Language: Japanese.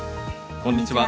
こんにちは。